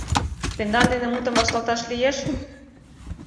— Тендан дене мутым вашталташ лиеш?..